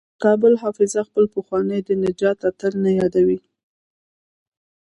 د کابل حافظه خپل پخوانی د نجات اتل نه یادوي.